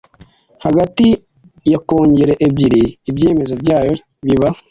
hagati ya Kongere ebyiri Ibyemezo byayo biba